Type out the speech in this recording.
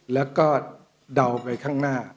และก็เดาไว้ข้างหน้า